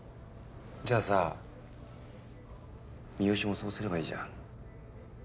じゃあさ三好もそうすればいいじゃん。